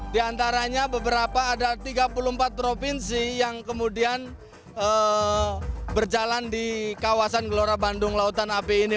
di antaranya beberapa ada tiga puluh empat provinsi yang kemudian berjalan di kawasan gelora bandung lautan api ini